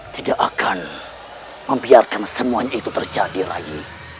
tidak akan membiarkan semuanya itu terjadi lagi